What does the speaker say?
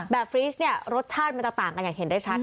ฟรีสเนี่ยรสชาติมันจะต่างกันอย่างเห็นได้ชัด